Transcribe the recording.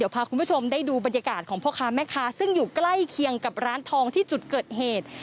พ่อค่ะแม่ค่ะซึ่งอยู่ใกล้เคียงกับร้านทองที่จุดเกิดเหตุ